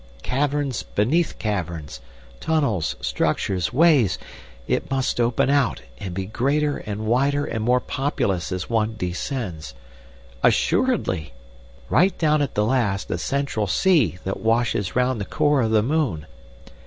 Caverns beneath caverns, tunnels, structures, ways... It must open out, and be greater and wider and more populous as one descends. Assuredly. Right down at the last the central sea that washes round the core of the moon.